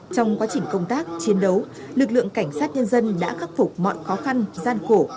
trong quá trình công tác chiến đấu lực lượng cảnh sát nhân dân đã khắc phục mọi khó khăn gian khổ